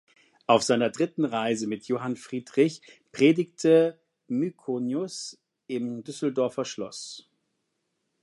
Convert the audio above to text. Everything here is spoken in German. Auf seiner dritten Reise mit Johann Friedrich predigte Myconius im Düsseldorfer Schloss.